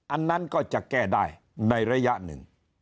อันนั้นก็จะแก้ได้ในระยะหนึ่ง